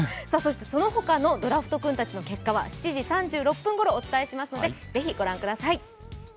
その他のドラフト君たちの結果は７時３６分ごろお伝えしますので、ぜひ、ご覧ください。